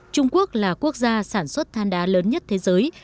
trung quốc là quốc gia sản xuất than đá lớn nhất thế giới